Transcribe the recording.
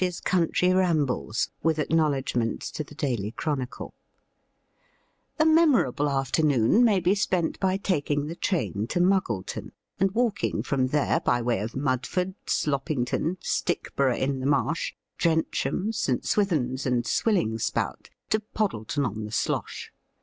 PUNCH'S COUNTRY RAMBLES (With acknowledgments to the "Daily Chronicle") A memorable afternoon may be spent by taking the train to Muggleton, and walking from there by way of Mudford, Sloppington, Stickborough in the Marsh, Drencham, St. Swithuns, and Swillingspout to Poddleton on the Slosh.